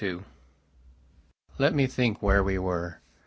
II LET me think where we were.